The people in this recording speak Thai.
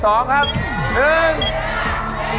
หาเวลาอย่างเดียว